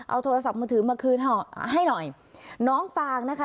เอาโทรศัพท์มือถือมาคืนให้หน่อยน้องฟางนะคะ